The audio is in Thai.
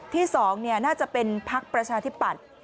ที่สองน่าจะเป็นพักประชาธิบัติ